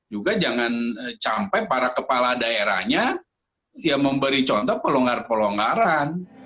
juga jangan sampai para kepala daerahnya ya memberi contoh pelonggar pelonggaran